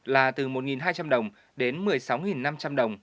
là từ một hai trăm linh đồng đến một mươi sáu năm trăm linh đồng